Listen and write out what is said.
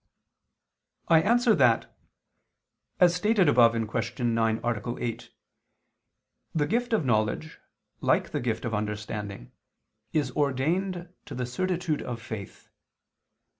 I answer that, As stated above (Q. 9, A. 8), the gift of knowledge, like the gift of understanding, is ordained to the certitude of faith.